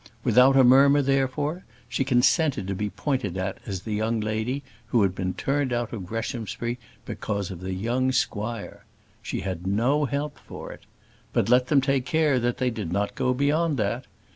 Without a murmur, therefore, she consented to be pointed at as the young lady who had been turned out of Greshamsbury because of the young squire. She had no help for it. But let them take care that they did not go beyond that.